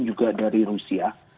juga dari rusia